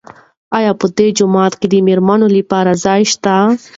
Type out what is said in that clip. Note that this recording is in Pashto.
آیا په دې جومات کې د مېرمنو لپاره ځای شته؟